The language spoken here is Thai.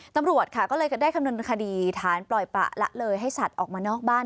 ตำรวจค่ะก็เลยได้คำนวณคดีฐานปล่อยปะละเลยให้สัตว์ออกมานอกบ้าน